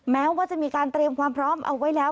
แม้ว่าจะมีการเตรียมความพร้อมเอาไว้แล้ว